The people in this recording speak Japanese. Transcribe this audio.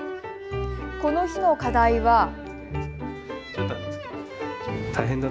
この日の課題は。